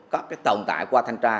có cái tồn tại qua thanh tra